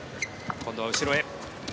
今度は後ろへ。